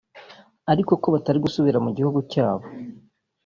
ariko ko batari gusubira mu gihugu cyabo